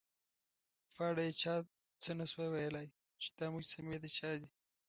په اړه یې چا څه نه شوای ویلای، چې دا مجسمې د چا دي.